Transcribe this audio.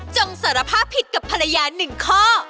จงสารภาพผิดกับภรรยาหนึ่งข้อ